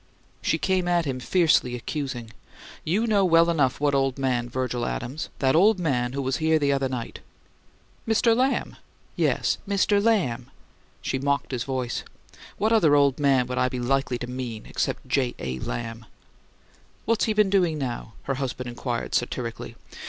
She came at him, fiercely accusing. "You know well enough what old man, Virgil Adams! That old man who was here the other night." "Mr. Lamb?" "Yes; 'Mister Lamb!'" She mocked his voice. "What other old man would I be likely to mean except J. A. Lamb?" "What's he been doing now?" her husband inquired, satirically.